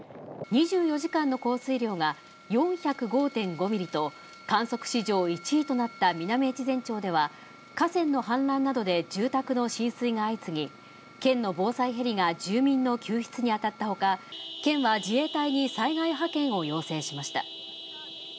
２４時間の降水量が４０５．５ミリと、観測史上１位となった南越前町では、河川の氾濫などで住宅の浸水が相次ぎ、県の防災ヘリが住民の救出に当たったほか、県は自衛隊に災害派遣を要請しました。